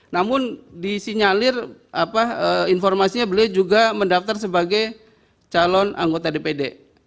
namun disinyalir informasinya beliau juga mendaftar sebagai calon anggota dpd